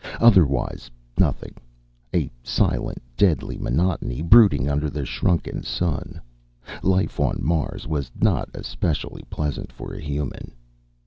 Otherwise nothing a silent, deadly monotony brooding under the shrunken sun. Life on Mars was not especially pleasant for a human.